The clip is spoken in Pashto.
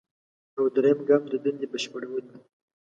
او دریم ګام د دندې بشپړول دي.